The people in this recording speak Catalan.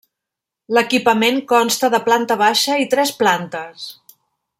L'equipament consta de planta baixa i tres plantes.